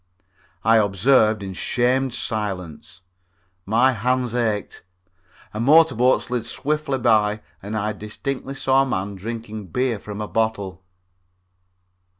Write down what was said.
I observed in shamed silence. My hands ached. A motor boat slid swiftly by and I distinctly saw a man drinking beer from the bottle.